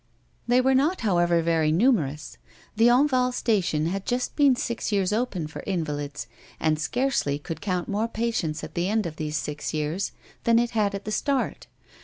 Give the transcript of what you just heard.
They were not, however, very numerous. The Enval station had just been six years open for invalids, and scarcely could count more patients at the end of these six years than it had at the start.